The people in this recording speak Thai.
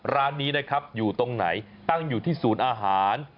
ร้านนี้นะครับอยู่ตรงไหนตั้งอยู่ที่ศูนย์อาหาร